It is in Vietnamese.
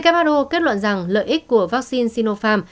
who kết luận rằng lợi ích của vaccine sinopharm